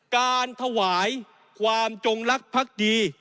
การถวายความจงลักษ์ภักดี